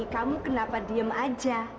kamu kenapa diem aja